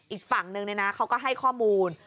อีกฝั่งหนึ่งเนี่ยนะเขาก็ให้ข้อมูล